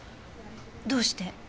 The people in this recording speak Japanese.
どうして？